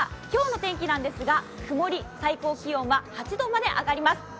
今日の天気なんですが、曇り最高気温は８度まで上がります。